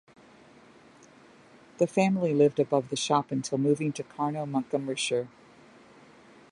The family lived above the shop until moving to Carno, Montgomeryshire.